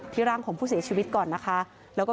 ร่างของผู้เสียชีวิตก่อนนะคะ